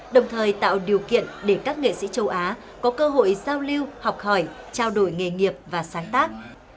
đồng thời tạo điều kiện để các nghệ sĩ châu á có cơ hội giao lưu học hỏi trao đổi nghề nghiệp và sáng tác